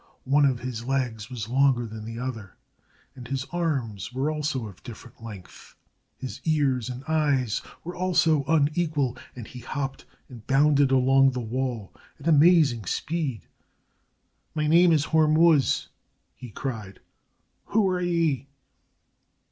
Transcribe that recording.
One of his legs was longer than the other, and his arms were also of different length. His ears and eyes were also unequal, and he hopped and bounded along the wall at amazing speed. "My name is Hormuz," he cried. "Who are ye?"